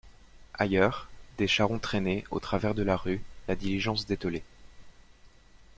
Ailleurs, des charrons traînaient, au travers de la rue, la diligence dételée.